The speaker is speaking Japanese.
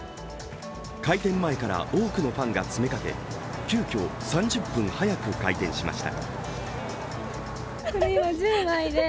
開店前から多くのファンが詰めかけ急きょ３０分早く開店しました。